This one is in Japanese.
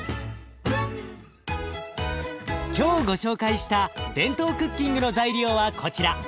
今日ご紹介したＢＥＮＴＯクッキングの材料はこちら。